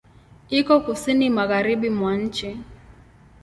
Iko Kusini magharibi mwa nchi.